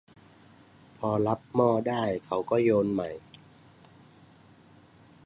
พอรับหม้อได้เขาก็โยนใหม่